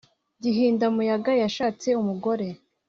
Gihindamuyaga yashatse umugore